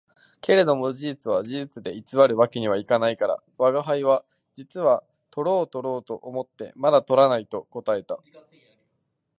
けれども事実は事実で偽る訳には行かないから、吾輩は「実はとろうとろうと思ってまだ捕らない」と答えた